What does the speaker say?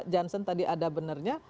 jansen tadi ada benarnya